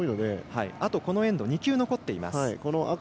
まだこのエンド２球残っています。